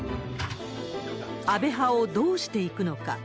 安倍派をどうしていくのか。